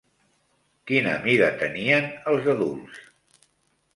Quina mida tenien els adults?